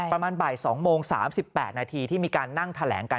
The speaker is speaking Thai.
ประมาณบ่าย๒โมง๓๘นาทีที่มีการนั่งแถลงกัน